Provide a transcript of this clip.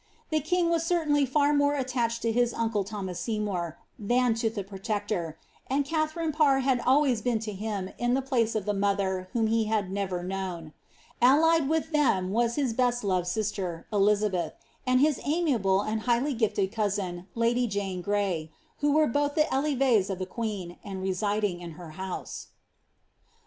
The king was certainly far more attached to his uncle Thomas Seymour, than to the protector, and Katharine Parr had always been to him in the place of the mother whom he had never known. Allied with them was his best loved sister, Elizabeth, and his amiable and highly gil'teil 'Carnden's Elizabeth. ■Hayu'ard, in his Life of Eilward VI., speaks of Anne Stmnhope.